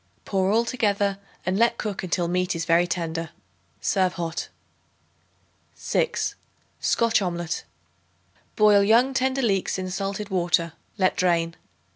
Pour all together and let cook until meat is very tender. Serve hot. 6. Scotch Omelet. Boil young tender leeks in salted water; let drain.